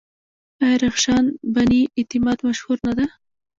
آیا رخشان بني اعتماد مشهوره نه ده؟